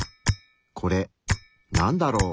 これなんだろう？